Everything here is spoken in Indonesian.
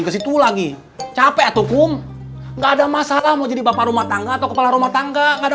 ke situ lagi capek atau kum nggak ada masalah menjadi bapak rumah tangga atau kepala rumah tangga ada